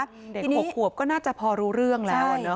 เด็ก๖ขวบก็น่าจะพอรู้เรื่องแล้ว